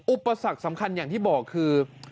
อุปสรรคสำคัญอย่างที่บอกคือ